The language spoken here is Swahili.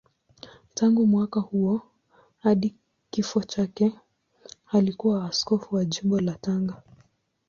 Tangu mwaka huo hadi kifo chake alikuwa askofu wa Jimbo la Tanga.